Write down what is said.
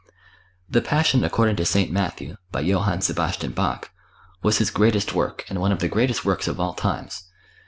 The "Passion According to St. Matthew," by Johann Sebastian Bach, was his greatest work and one of the greatest works of all times.